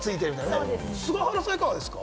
菅原さん、いかがですか？